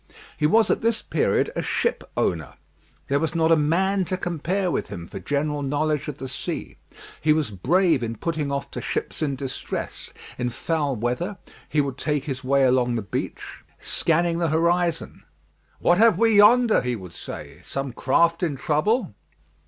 He was at this period a ship owner. There was not a man to compare with him for general knowledge of the sea. He was brave in putting off to ships in distress. In foul weather he would take his way along the beach, scanning the horizon. "What have we yonder?" he would say; "some craft in trouble?"